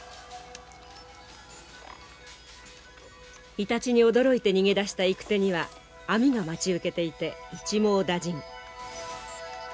イタチに驚いて逃げ出した行く手には網が待ち受けていて一網打尽。